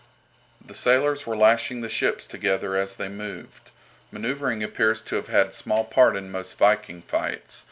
The sailors were lashing the ships together as they moved. Manoeuvring appears to have had small part in most Viking fights.